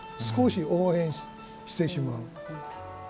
少し黄変してしまう。